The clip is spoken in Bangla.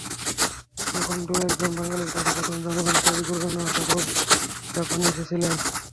তখন দু-একজন বাঙালির কাছে প্রথম জানলাম, কবিগুরু রবীন্দ্রনাথ ঠাকুর জাপানে এসেছিলেন।